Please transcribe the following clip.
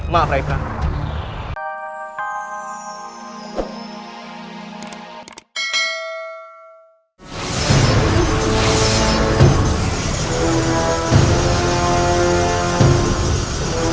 maaf raih prabu